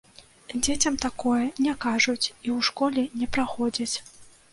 Дзецям такое не кажуць і ў школе не праходзяць.